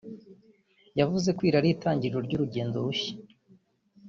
yavuze ko iri ari itangiriro ry’urugendo rushya